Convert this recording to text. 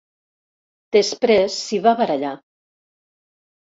Després s'hi va barallar.